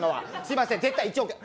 すいません絶対１億円。